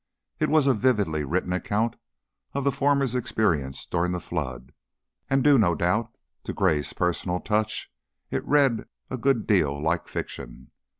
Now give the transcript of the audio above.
It was a vividly written account of the former's experience during the flood, and, due no doubt to Gray's personal touch, it read a good deal like fiction.